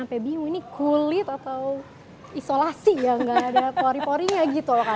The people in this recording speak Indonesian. sampai bingung ini kulit atau isolasi ya nggak ada pori porinya gitu loh